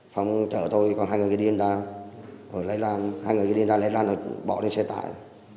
phong chở tôi còn hai người đi điên ra lấy lan hai người điên ra lấy lan rồi bỏ lên xe tải